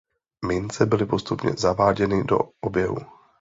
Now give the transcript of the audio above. Mince byly postupně zaváděny do oběhu.